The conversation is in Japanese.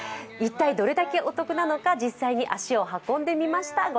一体、どれだけお得なのか実際に足を運んでみました。